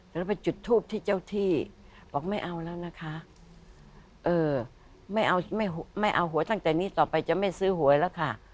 แล้วไปจุดทูปที่เจ้าที่บอกไม่เอาแล้วนะคะเออไม่เอาไม่เอาหวยตั้งแต่นี้ต่อไปจะไม่ซื้อหวยแล้วค่ะ